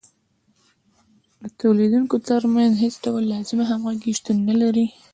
د تولیدونکو ترمنځ هېڅ ډول لازمه همغږي شتون نلري